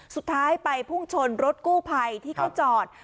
สุดท้ายไปพุ่งชนรถกู้ภัยที่เขาจอด